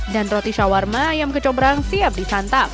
dan roti shawarma ayam kecombrang siap disantap